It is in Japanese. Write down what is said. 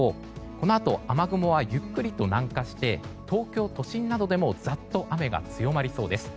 このあと雨雲はゆっくりと南下して東京都心などでもざっと雨が強まりそうです。